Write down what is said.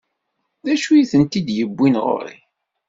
D acu i tent-id-iwwin ɣur-i?